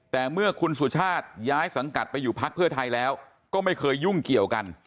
แต่เมื่อคุณสุชาติย้ายสังกัดไปอยู่พักเพื่อไทยแล้วก็ไม่เคยยุ่งเกี่ยวกัน